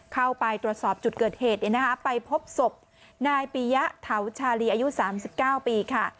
เข้าไปตรวจสอบจุดเกิดเหตุไปพบศพนายปียะเถาชาลีอายุ๓๙ปีค่ะ